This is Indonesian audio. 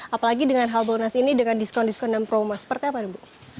apalagi dengan harbolnas ini dengan diskon diskon dan promo seperti apa ibu